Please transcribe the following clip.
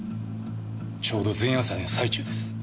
ちょうど前夜祭の最中です。